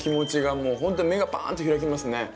もうほんとに目がバーンと開きますね。